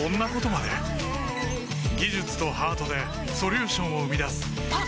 技術とハートでソリューションを生み出すあっ！